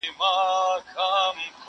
• او بحثونه بيا راګرځي تل,